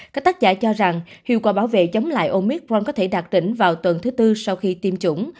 các tác giả cho rằng hiệu quả bảo vệ chống lại omicron có thể đạt tỉnh vào tuần thứ tư sau khi tiêm chủng